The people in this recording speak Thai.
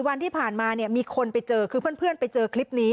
วันที่ผ่านมาเนี่ยมีคนไปเจอคือเพื่อนไปเจอคลิปนี้